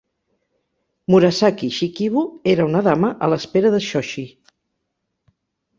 Murasaki Shikibu era una dama a l'espera de Shoshi.